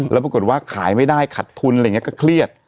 แล้วปรากฏว่าขายไม่ได้ขัดทุนอะไรอย่างนี้ก็เครียด